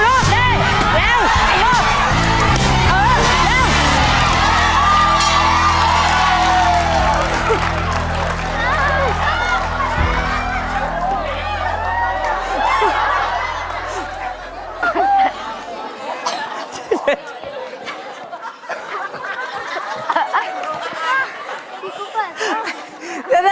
เยี่ยม